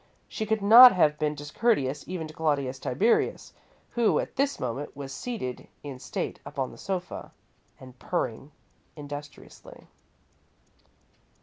She could not have been discourteous even to Claudius Tiberius, who at this moment was seated in state upon the sofa and purring industriously.